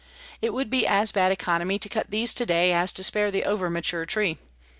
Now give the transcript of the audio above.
It would be as bad economy to cut these today as to spare the over mature tree.